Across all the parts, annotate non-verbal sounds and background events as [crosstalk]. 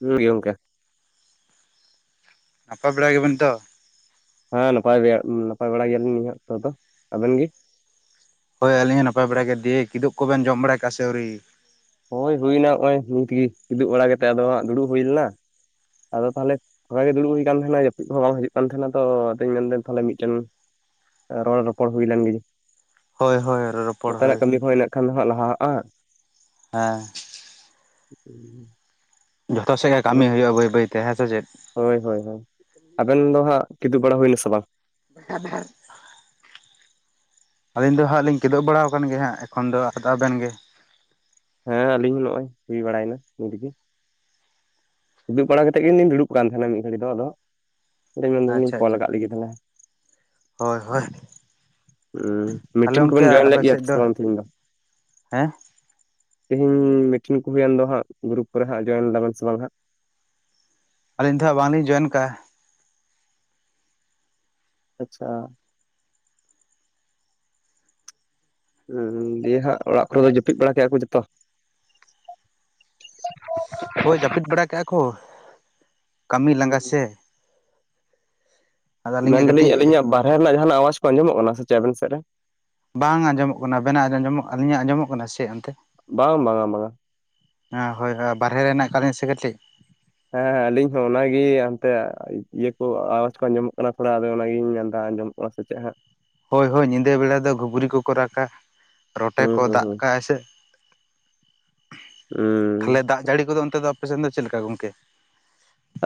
[unintelligible] ᱜᱚᱝᱠᱮ᱾ ᱱᱟᱯᱟᱭ ᱵᱟᱲᱟ [unintelligible] ᱛᱚ? ᱦᱮᱸ ᱱᱟᱯᱟᱭ ᱜᱮ, ᱱᱟᱯᱟᱭ ᱵᱟᱲᱟ ᱜᱮᱭᱟ ᱞᱤᱧ ᱱᱤᱭᱟᱹ ᱚᱠᱛᱚ ᱫᱚ ᱾ᱟᱵᱮᱱ ᱜᱤ? ᱦᱳᱭ ᱟᱹᱞᱤᱧ ᱦᱚᱸ ᱱᱟᱯᱟᱭ ᱵᱟᱲᱟᱭ ᱜᱮ᱾ ᱫᱤᱭᱮ ᱠᱤᱫᱩᱵ ᱠᱚᱵᱮᱱ ᱡᱚᱢ ᱵᱟᱲᱟᱭ ᱟᱠᱟᱫᱼᱟ ᱥᱮ ᱟᱹᱣᱨᱤ? ᱦᱳᱭ ᱦᱩᱭᱱᱟ ᱱᱚᱭ ᱱᱤᱛ ᱜᱮ ᱫᱩᱲᱩᱵᱽ ᱵᱟᱲᱟ ᱠᱟᱛᱮᱜ ᱟᱫᱚ ᱦᱟᱜ ᱫᱩᱲᱩᱵ ᱦᱩᱭ ᱱᱟ᱾ ᱟᱫᱚ ᱛᱟᱦᱚᱞᱮ ᱚᱝᱠᱟ ᱜᱮ ᱫᱩᱲᱩᱵᱽ ᱦᱩᱭ ᱟᱠᱟᱱ ᱛᱟᱦᱮᱫ ᱡᱟᱹᱯᱤᱫ ᱦᱚᱸ ᱵᱟᱝ ᱦᱤᱡᱩᱜ ᱠᱟᱱ ᱛᱟᱦᱮᱸᱱᱟ ᱛᱚ ᱟᱫᱚᱧ ᱢᱮᱱ ᱛᱟᱦᱮᱱ ᱢᱤᱫᱴᱮᱱ ᱨᱚᱲ ᱨᱚᱯᱚᱲ ᱦᱩᱭ ᱞᱮᱱ ᱜᱤ᱾ ᱦᱳᱭ ᱦᱳᱭ ᱨᱚᱯᱚᱲ ᱱᱚᱛᱮ ᱱᱟᱜ ᱦᱳᱭ᱾ ᱠᱟᱹᱢᱤ ᱠᱚᱸ ᱤᱱᱟᱹᱜ ᱠᱷᱟᱱ ᱫᱚ ᱦᱟᱸᱜ ᱞᱟᱦᱟᱜᱼᱟ᱾ ᱦᱮᱸ᱾ [inaudible] ᱡᱷᱚᱛᱚ ᱥᱮᱫ ᱜᱮ ᱠᱟᱹᱢᱤ ᱟᱵᱮᱱ ᱦᱩᱭᱩᱜᱼᱟ ᱵᱟᱹᱭ ᱵᱟᱹᱭ ᱛᱮ ᱦᱮᱸ ᱥᱮ ᱪᱮᱫ? ᱦᱳᱭ, ᱦᱳᱭ, ᱦᱳᱭ, ᱟᱵᱮᱱ ᱫᱚ ᱦᱟᱸᱜ ᱠᱤᱫᱩᱜ ᱵᱟᱲᱟ ᱦᱩᱭᱱᱟ ᱥᱮ ᱵᱟᱝ? [unintelligible] ᱟᱹᱞᱤᱧ ᱫᱚ ᱦᱟᱸᱜ ᱞᱤᱧ ᱠᱤᱫᱩᱵ ᱵᱟᱲᱟᱣ ᱟᱠᱟᱱ ᱜᱮᱭᱟ ᱦᱟᱸᱜ ᱮᱠᱷᱚᱱ ᱫᱚ, ᱟᱫᱚ ᱟᱵᱮᱱ ᱜᱮ? ᱦᱮᱸ ᱟᱞᱤᱧ ᱦᱚᱸ ᱱᱚᱜᱼᱚᱭ ᱦᱩᱭ ᱵᱟᱲᱟᱭᱱᱟ ᱱᱤᱛ ᱜᱮ᱾ ᱠᱤᱫᱩᱜ ᱵᱟᱲᱟ ᱠᱟᱛᱮᱫ ᱜᱮᱞᱤᱧ ᱫᱩᱲᱩᱵ ᱠᱟᱱ ᱛᱟᱦᱮᱱᱟ ᱢᱤᱫ ᱜᱷᱟᱹᱲᱤ ᱫᱚ ᱟᱫᱚ, [unintelligible] ᱟᱪᱪᱷᱟ ᱠᱚᱞ ᱟᱪᱪᱷᱟ᱾ ᱠᱟᱜ ᱞᱮᱜᱮ ᱛᱟᱦᱞᱮ᱾ ᱦᱳᱭ, ᱦᱳᱭ᱾ ᱦᱩᱸ ᱛᱟᱦᱚᱞᱮ ᱢᱤᱴᱤᱝ ᱜᱚᱝᱠᱮ ᱠᱚᱵᱮᱱ ᱡᱚᱭᱮᱱ ᱟᱯᱮ ᱞᱮᱫ ᱜᱮᱭᱟ ᱥᱮᱫ ᱥᱮ ᱵᱟᱝ ᱛᱤᱦᱤᱧ ᱫᱚ? ᱦᱮᱸ ᱛᱤᱦᱤᱧ ᱢᱤᱴᱤᱱ ᱠᱚ ᱦᱩᱭᱮᱱ ᱫᱚ ᱦᱟᱸᱜ ᱜᱨᱩᱯ ᱠᱚᱨᱮ ᱦᱟᱸᱜ ᱡᱚᱭᱮᱱ ᱫᱟᱵᱮᱱ ᱥᱮ ᱵᱟᱝ ᱦᱟᱸᱜ? ᱟᱹᱞᱤᱧ ᱫᱚ ᱦᱟᱸᱜ ᱵᱟᱝ ᱞᱤᱧ ᱡᱚᱭᱮᱱ ᱠᱟᱜᱼᱟ᱾ ᱟᱪᱪᱷᱟ᱾ ᱦᱩᱸ ᱫᱤᱭᱮ ᱦᱟᱸᱜ ᱚᱲᱟᱜ ᱠᱚᱨᱮ ᱫᱚ ᱡᱟᱹᱯᱤᱫ ᱵᱟᱲᱟ ᱠᱮᱫᱼᱟ ᱠᱚ ᱡᱷᱚᱛᱚ? ᱦᱳᱭ ᱡᱟᱹᱯᱤᱫ ᱵᱟᱲᱟ ᱠᱟᱜᱼᱟ ᱠᱚ ᱠᱟᱹᱢᱤ ᱞᱟᱸᱜᱟ ᱥᱮ? ᱟᱫᱚ ᱟᱹᱞᱤᱧ ᱜᱮ ᱢᱮᱱᱫᱟᱞᱤᱧ ᱠᱟᱹᱴᱤᱡ ᱟᱹᱞᱤᱧᱟᱜ ᱵᱟᱨᱦᱮ ᱨᱮᱱᱟᱜ ᱡᱟᱦᱟᱸ ᱟᱣᱟᱡᱽ ᱠᱚ ᱟᱸᱡᱚᱢᱚᱜ ᱠᱟᱱᱟ ᱥᱮᱥᱮᱫ ᱟᱵᱤᱱ ᱥᱮᱫ ᱨᱮ? ᱵᱟᱝ ᱟᱸᱡᱚᱢᱚᱜ ᱠᱟᱱᱟ ᱟᱵᱮᱱᱟ ᱟᱸᱡᱚᱢᱚᱜ ᱠᱟᱱᱟ ᱟᱹᱞᱤᱧᱟᱜ ᱟᱸᱡᱚᱢᱚᱜ ᱠᱟᱱᱟ ᱥᱮ ᱚᱱᱛᱮ? ᱵᱟᱝ ᱵᱟᱝᱟ ᱵᱟᱝᱟ᱾ ᱦᱮᱸ ᱦᱳᱭ ᱦᱳᱭ ᱵᱟᱨᱦᱮ ᱦᱮᱱᱟᱜ ᱠᱟᱫ ᱞᱤᱧᱟ ᱥᱮ ᱠᱟᱹᱴᱤᱡ᱾ ᱦᱮᱸ ᱟᱞᱤᱧ ᱦᱚᱸ ᱚᱱᱟᱜᱮ ᱦᱚᱱᱛᱮ ᱤᱭᱟᱹ ᱠᱚ ᱟᱣᱟᱡᱽ ᱠᱚ ᱟᱸᱡᱚᱢᱚᱜ ᱠᱟᱱᱟ ᱛᱷᱚᱲᱟ ᱟᱫᱚ ᱚᱱᱟᱜᱤᱧ ᱢᱮᱱ ᱫᱟ ᱟᱸᱡᱚᱢ ᱚᱣᱟᱜ ᱥᱮᱪᱮᱜ ᱦᱟᱸᱜ? ᱦᱳᱭ ᱦᱳᱭ ᱧᱤᱫᱟᱹ ᱵᱮᱲᱟ ᱫᱚ ᱜᱷᱩᱩᱜᱨᱤ ᱠᱚ ᱠᱚ ᱨᱟᱜᱟ ᱨᱚᱴᱮ ᱦᱩᱸ ᱠᱚ ᱦᱩᱸ ᱫᱟᱜ ᱦᱩᱸ ᱠᱟᱜᱼᱟ ᱥᱮ ᱩᱸ᱾ ᱛᱟᱦᱚᱞᱮ ᱫᱟᱜ ᱡᱟᱹᱲᱤᱫᱚ ᱚᱱᱛᱮ ᱫᱚ ᱟᱯᱮᱥᱮᱫ ᱫᱚ ᱪᱮᱫ ᱞᱮᱠᱟ ᱜᱚᱝᱠᱮ?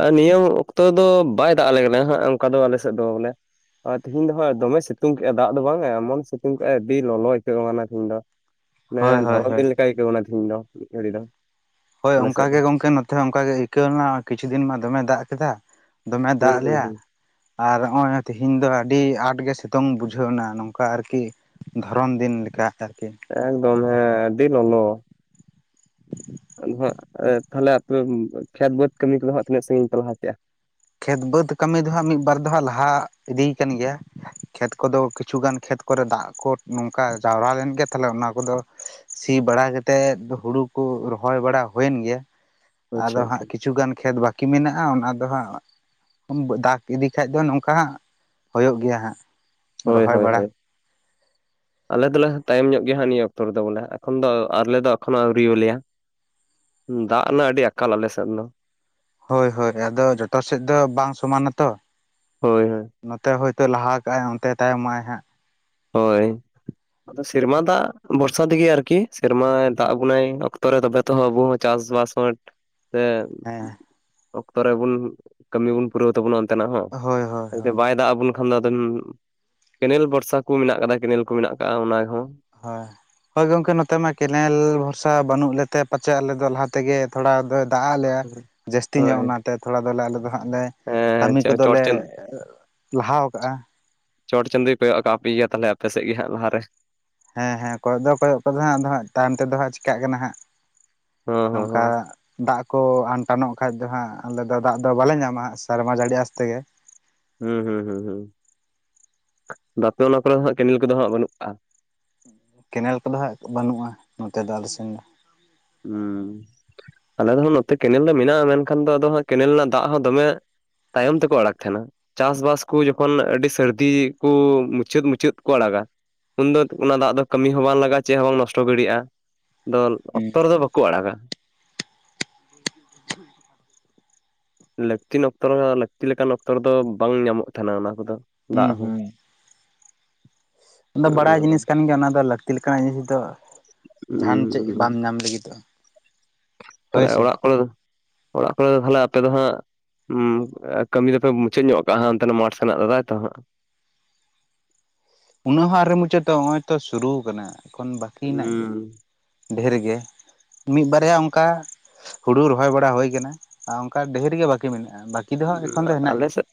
ᱟ ᱱᱤᱭᱟᱹ ᱚᱠᱛᱚ ᱫᱚ ᱵᱟᱭ ᱫᱟᱜ ᱟᱞᱮ ᱠᱟᱱᱟ ᱦᱟᱸᱜ ᱚᱱᱠᱟ ᱫᱚ ᱟᱞᱮ ᱥᱮᱫ ᱫᱚ ᱵᱚᱞᱮ᱾ ᱟ ᱛᱤᱦᱤᱧ ᱫᱚ ᱦᱟᱸᱜ ᱫᱚᱢᱮ ᱥᱤᱛᱩᱝ ᱠᱮᱫᱼᱟ ᱫᱟᱜ ᱫᱚ ᱵᱟᱝ ᱮᱢᱚᱱ ᱥᱤᱛᱩᱝ ᱠᱮᱜᱼᱟ ᱟᱹᱰᱤ ᱞᱚᱞᱚ ᱟᱹᱭᱠᱟᱹᱣ ᱠᱟᱱᱟ ᱛᱤᱦᱤᱧ ᱫᱚ᱾ ᱦᱳᱭ ᱚᱱᱮ ᱦᱳᱭ ᱫᱷᱚᱨᱚᱢ ᱦᱳᱭ ᱫᱤᱱ ᱞᱮᱠᱟᱭ ᱟᱹᱭᱠᱟᱹᱣ ᱮᱱᱟ ᱛᱤᱦᱤᱧ ᱫᱚ ᱢᱤᱫ ᱜᱷᱟᱹᱲᱤ ᱫᱚ᱾ ᱦᱳᱭ ᱟᱞᱮ ᱥᱮᱫ ᱚᱱᱠᱟᱜ ᱫᱚ ᱜᱮ ᱜᱚᱝᱠᱮ ᱱᱚᱛᱮ ᱦᱚᱸ ᱚᱱᱠᱟᱜ ᱜᱮ ᱟᱹᱭᱠᱟᱹᱣ ᱞᱮᱱᱟ ᱠᱤᱪᱷᱩ ᱫᱤᱱ ᱢᱟ ᱫᱚᱢᱮ ᱫᱟᱜ ᱠᱮᱫᱟ, ᱫᱚᱢᱮ ᱦᱩᱸ ᱫᱟᱜᱼᱟ ᱦᱩᱸ ᱞᱮᱭᱟ, ᱦᱩᱸ ᱟᱨ ᱱᱚᱜᱼᱚᱭ ᱛᱤᱦᱤᱧ ᱫᱚ ᱟᱹᱰᱤ ᱟᱸᱴ ᱜᱮ ᱥᱤᱛᱩᱝ ᱵᱩᱡᱷᱟᱹᱣ ᱱᱟ ᱱᱚᱝᱠᱟ ᱟᱨᱠᱤ᱾ ᱫᱷᱚᱨᱚᱱ ᱫᱤᱱ ᱞᱮᱠᱟ ᱟᱨᱠᱤ᱾ ᱮᱠᱫᱚᱢ ᱦᱮᱸ ᱟᱹᱰᱤ ᱞᱚᱞᱚ᱾ ᱟᱫᱚ ᱦᱟᱸᱜ ᱛᱟᱦᱚᱞᱮ ᱟᱯᱮ ᱠᱷᱮᱛ ᱵᱟᱹᱫᱽ ᱠᱟᱹᱢᱤ ᱠᱚᱫᱚ ᱦᱟᱸᱜ ᱛᱤᱱᱟᱹᱜ ᱥᱟᱹᱜᱤᱧ ᱯᱮ ᱞᱟᱦᱟ ᱠᱮᱜᱼᱟ? ᱠᱷᱮᱛ ᱵᱟᱹᱫᱽ ᱠᱟᱹᱢᱤ ᱫᱚ ᱦᱟᱸᱜ ᱢᱤᱫ ᱵᱟᱨ ᱫᱚ ᱦᱟᱸᱜ ᱞᱟᱦᱟ ᱤᱫᱤᱭ ᱠᱟᱱ ᱜᱮᱭᱟ᱾ ᱠᱷᱮᱛ ᱠᱚᱫᱚ ᱠᱤᱪᱷᱩᱜᱟᱱ ᱠᱷᱮᱛ ᱠᱚᱨᱮ ᱫᱟᱜ ᱠᱚ ᱱᱚᱝᱠᱟ ᱡᱟᱣᱨᱟ ᱞᱮᱱᱜᱮ ᱛᱟᱦᱚᱞᱮ ᱚᱱᱟ ᱠᱚᱫᱚ ᱥᱤ ᱵᱟᱲᱟ ᱠᱟᱛᱮᱫ ᱦᱩᱲᱩ ᱠᱩ ᱨᱚᱦᱚᱭ ᱵᱟᱲᱟ ᱦᱩᱭᱮᱱ ᱜᱮᱭᱟ, ᱟᱪᱪᱷᱟ ᱟᱫᱚ ᱟᱪᱪᱷᱟ ᱦᱟᱸᱜ ᱠᱤᱪᱷᱩᱩᱜᱟᱱ ᱠᱷᱮᱛ ᱵᱟᱹᱠᱤ ᱢᱮᱱᱟᱜᱼᱟ ᱚᱱᱟ ᱫᱚ ᱦᱟᱸᱜ ᱫᱟᱜᱽ ᱤᱫᱤ ᱠᱷᱟᱡ ᱫᱚ ᱱᱚᱝᱠᱟ ᱦᱟᱸᱜ ᱦᱭᱳ ᱜᱮᱭᱟ ᱦᱟᱸᱜ ᱾ ᱦᱳᱭ ᱦᱳᱭ ᱦᱳᱭ ᱾ ᱟᱞᱮ ᱫᱚᱞᱮ ᱛᱟᱭᱚᱢ ᱧᱚᱜ ᱜᱮᱭᱟᱜ ᱱᱤᱭᱟᱹ ᱚᱠᱛᱚ ᱨᱮᱫᱚ ᱵᱚᱞᱮ ᱮᱠᱷᱚᱱ ᱫᱚ ᱟᱞᱮ ᱫᱚ ᱮᱠᱷᱚᱱᱚ ᱟᱹᱣᱨᱤ ᱟᱞᱮᱭᱟ ᱾ ᱫᱟᱜ ᱨᱮᱱᱟᱜ ᱟᱹᱰᱤ ᱟᱠᱟᱞ ᱟᱞᱮᱥᱮᱫ ᱫᱚ ᱾ ᱦᱳᱭ ᱦᱳᱭ ᱟᱫᱚ ᱡᱚᱴᱟ ᱥᱮᱫ ᱫᱚ ᱵᱟᱝ ᱥᱚᱢᱟᱱᱟᱛᱚ, ᱦᱳᱭ ᱦᱳᱭ ᱱᱚᱛᱮ ᱦᱳᱭᱛᱳ ᱞᱟᱦᱟ ᱠᱟᱜᱼ ᱟᱭ ᱚᱱᱛᱮ ᱛᱟᱭᱚᱢᱚᱜᱼ ᱟᱭ ᱦᱟᱸᱜ ᱾ ᱦᱳᱭ ᱾ ᱟᱫᱚ ᱥᱮᱨᱢᱟ ᱫᱟᱜ ᱵᱷᱚᱨᱥᱟ ᱛᱮᱜᱮ ᱟᱨᱠᱤ ᱥᱮᱨᱢᱟ ᱫᱟᱜ ᱟᱵᱱᱟᱭ ᱚᱠᱛᱚ ᱨᱮ ᱛᱚᱵᱮ ᱡᱦᱚᱛᱚ ᱟᱵᱚ ᱦᱚᱸ ᱪᱟᱥ ᱵᱟᱥ [unintelligible] ᱥᱮ ᱦᱮᱸ᱾ ᱚᱠᱛᱚ ᱨᱮᱵᱚᱱ ᱠᱟᱹᱢᱤ ᱵᱚᱱ ᱯᱩᱨᱟᱹᱣ ᱛᱟᱵᱚᱱᱟ ᱚᱱᱛᱮᱱᱟᱜ ᱦᱚᱸ ᱦᱳᱭ ᱦᱳᱭ ᱡᱛᱮ ᱦᱳᱭ ᱵᱟᱭ ᱫᱟᱜ ᱟᱵᱚᱱ ᱠᱷᱟᱱ ᱟᱫᱚ ᱠᱮᱱᱮᱞ ᱵᱷᱚᱨᱥᱟ ᱠᱚ ᱢᱮᱱᱟᱜ ᱠᱟᱫᱟ ᱠᱮᱱᱮᱞ ᱠᱚ ᱢᱮᱱᱟᱜ ᱟᱠᱟᱫᱟ ᱚᱱᱟᱦᱚ ᱾ ᱦᱳᱭ ᱦᱚᱭᱳ ᱜᱚᱢᱠᱮ ᱱᱚᱛᱮ ᱢᱟ ᱠᱮᱱᱮᱞ ᱵᱷᱚᱨᱥᱟ ᱵᱟᱹᱱᱩᱜ ᱞᱮᱛᱮ ᱯᱟᱪᱮᱜ ᱟᱞᱮᱫ ᱫᱚ ᱞᱟᱦᱟ ᱛᱮᱜᱮ ᱛᱷᱚᱲᱟ ᱫᱚ ᱫᱟᱜ ᱟᱜ ᱞᱮᱭᱟ ᱡᱟᱹᱥᱛᱤ ᱧᱚᱜ ᱦᱳᱭ ᱚᱱᱟᱛᱮ ᱛᱷᱚᱲᱟ ᱫᱚᱞᱮ ᱟᱞᱮᱫᱚ ᱦᱟᱸᱜ ᱞᱮ ᱠᱟᱹᱢᱤ ᱦᱮᱸ ᱪᱚᱴ ᱠᱚᱫᱚᱞᱮ ᱪᱟᱸᱫ ᱞᱟᱦᱟ ᱠᱟᱜᱼᱟ ᱾ ᱪᱚᱴ ᱪᱟᱸᱫᱳᱭ ᱠᱚᱭᱚᱜ ᱠᱟᱫ ᱯᱮ ᱜᱮᱭᱟ ᱛᱟᱦᱚᱞᱮ ᱟᱯᱮ ᱥᱮᱫ ᱜᱮ ᱦᱟᱸᱜ ᱞᱟᱦᱟᱨᱮ ᱾ ᱦᱮᱸ ᱦᱮᱸ ᱠᱚᱭᱚᱜ ᱫᱚ ᱠᱚᱭᱚᱜ ᱠᱟᱫᱟ ᱦᱟᱸᱜ ᱟᱫᱚ ᱦᱟᱸᱜ ᱛᱟᱭᱚᱢ ᱛᱮᱫᱚ ᱦᱟᱸᱜ ᱪᱮᱤᱠᱟᱜ ᱠᱟᱱᱟ ᱦᱟᱸᱜ, ᱦᱚᱸ ᱦᱚᱸ ᱱᱚᱝᱠᱟ ᱦᱚᱸ ᱫᱟᱜ ᱠᱚ ᱟᱱᱴᱟᱱᱚᱜ ᱠᱷᱟᱡ ᱫᱚ ᱦᱟᱸᱜ ᱟᱞᱮ ᱫᱚ ᱫᱟᱜ ᱫᱚ ᱵᱟᱞᱮ ᱧᱟᱢᱟ ᱦᱟᱸᱜ ᱥᱮᱨᱢᱟ ᱡᱟᱹᱲᱤ ᱟᱥᱛᱮᱜᱮ ᱦᱩᱸ ᱦᱩᱸ ᱦᱩᱸ ᱦᱩᱸ ᱫᱟᱛᱮ ᱚᱱᱟ ᱠᱚᱨᱮ ᱦᱟᱸᱜ ᱠᱮᱱᱮᱞ ᱠᱚᱫᱚ ᱦᱟᱸᱜ ᱵᱟᱹᱱᱩᱜ ᱠᱟᱜᱼᱟ? ᱠᱮᱱᱮᱞ ᱠᱚᱫᱚ ᱦᱟᱸᱜ ᱵᱟᱹᱱᱩᱜᱼᱟ ᱱᱚᱛᱮ ᱫᱚ ᱟᱞᱮ ᱥᱮᱱ ᱫᱚ ᱾ ᱦᱮᱸ, ᱟᱞᱮ ᱫᱚ ᱱᱚᱛᱮ ᱠᱮᱱᱮᱞ ᱫᱚ ᱢᱮᱱᱟᱜᱼᱟ, ᱢᱮᱱᱠᱷᱟᱱ ᱫᱚ ᱟᱫᱚ ᱠᱮᱱᱮᱞ ᱨᱮᱱᱟᱜ ᱫᱟᱜ ᱦᱚᱸ ᱫᱚᱢᱮ ᱛᱟᱭᱚᱢ ᱛᱮᱠᱚ ᱟᱲᱟᱜ ᱛᱟᱦᱮᱱᱟ ᱾ ᱪᱟᱥᱵᱟᱥ ᱠᱚ ᱡᱚᱠᱷᱚᱱ ᱟᱹᱰᱤ ᱥᱟᱹᱨᱫᱤ ᱠᱚ ᱢᱩᱪᱟᱹᱫ ᱢᱩᱪᱟᱹᱫ ᱠᱚ ᱟᱲᱟᱜ-ᱟ ᱾ ᱩᱱᱫᱚ ᱚᱱᱟ ᱫᱟᱜ ᱫᱚ ᱠᱟᱹᱢᱤ ᱦᱚᱸ ᱵᱟᱝ ᱞᱟᱜᱟᱜᱼᱟ ᱪᱮᱫ ᱦᱚᱸ ᱵᱟᱝ ᱱᱚᱥᱴᱚ ᱫᱟᱲᱮᱹᱭᱟᱜᱼᱟ ᱾ ᱫᱚ ᱦᱩᱸ ᱚᱠᱛᱚ ᱨᱮᱫᱚ ᱵᱟᱠᱚ ᱟᱲᱟᱜ-ᱟ ᱾ ᱞᱟᱹᱠᱛᱤ ᱨᱮᱱᱟᱜ ᱚᱠᱛᱚ ᱫᱚ ᱞᱟᱹᱠᱛᱤ ᱞᱮᱠᱟᱱ ᱚᱠᱛᱚ ᱢᱚᱛᱚ ᱵᱟᱝ ᱧᱟᱢᱚᱜ ᱛᱟᱦᱮᱱᱟ ᱚᱱᱟ ᱠᱚᱫᱚ ᱫᱟᱜ ᱦᱩᱸ ᱦᱚᱸ᱾ ᱦᱩᱸ [unintelligible] ᱟᱫᱚ ᱵᱟᱲᱟᱭ ᱡᱤᱱᱤᱥ ᱠᱟᱱ ᱜᱮᱭᱟ ᱚᱱᱟ ᱫᱚ ᱞᱟᱹᱠᱛᱤ ᱞᱮᱠᱟᱱᱟᱜ ᱡᱤᱱᱤᱥ ᱫᱚ ᱡᱟᱦᱟᱱ ᱪᱮᱫ ᱵᱟᱢ ᱧᱟᱢ ᱞᱟᱹᱜᱤᱫᱚᱜ ᱾ ᱛᱟᱦᱞᱮ ᱚᱲᱟᱜ ᱠᱚᱨᱮ ᱫᱚ, ᱚᱲᱟᱜ ᱠᱚᱨᱮ ᱫᱚ ᱛᱟᱦᱞᱮ ᱟᱯᱮ ᱫᱚ ᱦᱟᱸᱜ ᱠᱟᱹᱢᱤ ᱫᱚᱯᱮ ᱢᱩᱪᱟᱹᱫ ᱧᱚᱜ ᱠᱟᱜᱼᱟ ᱦᱟᱱᱛᱮ ᱢᱟᱴ ᱥᱮᱱᱟᱜ ᱫᱚ ᱛᱟᱭᱛᱚ ᱦᱟᱸᱜ? ᱩᱱᱟᱹᱜ ᱦᱚᱸ ᱟᱹᱣᱨᱤ ᱢᱩᱪᱟᱹᱫᱚᱜ-ᱟ ᱱᱚᱜᱼᱚᱭ ᱛᱚ ᱥᱩᱨᱩ ᱠᱟᱱᱟ ᱮᱠᱷᱚᱱ ᱵᱟᱹᱠᱤ ᱢᱮᱱᱟᱜ ᱜᱮᱭᱟ ᱾ ᱰᱷᱮᱨ ᱜᱮ᱾ ᱢᱤᱫ ᱵᱟᱨᱭᱟ ᱚᱱᱠᱟ ᱦᱩᱲᱩ ᱨᱚᱦᱚᱭ ᱵᱟᱲᱟ ᱦᱩᱭ ᱟᱠᱟᱱᱟ ᱟᱨ ᱚᱱᱠᱟ ᱰᱷᱮᱨ ᱜᱮ ᱵᱟᱹᱠᱤ ᱢᱮᱱᱟᱜᱼᱟ ᱾ ᱟᱞᱮᱥᱮᱫ,